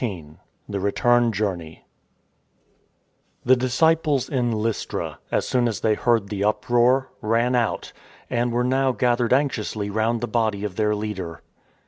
xy THE RETURN JOURNEY THE disciples in Lystra, as soon as they heard the uproar, ran out, and were now gathered anx iously round the body of their leader.